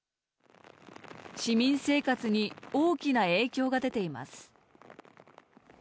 市民生活に大きな影響が出ています。